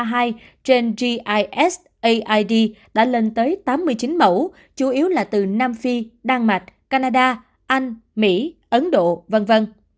dòng ba hai trên gisaid đã lên tới tám mươi chín mẫu chủ yếu là từ nam phi đan mạch canada anh mỹ ấn độ v v